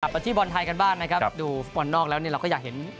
ไปที่บอลไทยกันบ้างนะครับดูฟุตบอลนอกแล้วเนี่ยเราก็อยากเห็น